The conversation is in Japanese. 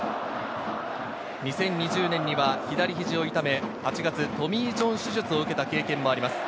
２０２０年には左肘を痛め、８月にトミー・ジョン手術を受けた経験もあります。